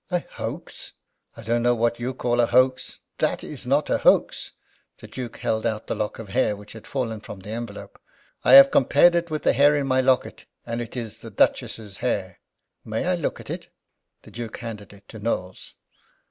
"A hoax! I don't know what you call a hoax! That is not a hoax!" The Duke held out the lock of hair which had fallen from the envelope. "I have compared it with the hair in my locket, and it is the Duchess's hair." "May I look at it?" The Duke handed it to Knowles.